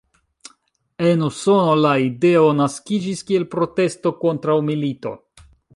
En Usono la ideo naskiĝis kiel protesto kontraŭ milito.